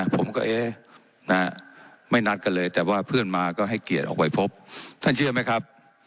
ผมก็เอ๊ะไม่นัดกันเลยแต่ว่าเพื่อนมาก็ให้เกียรติออกไปพบท่านเชื่อไหมครับ